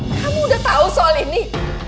kamu udah tahu soal ini